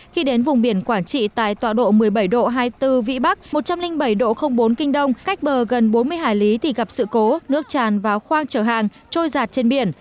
khi đến vùng biển quảng trị tại tọa độ một mươi bảy độ hai mươi bốn vĩ bắc một trăm linh bảy độ bốn kinh đông cách bờ gần bốn mươi hải lý thì gặp sự cố nước tràn vào khoang trở hàng trôi giạt trên biển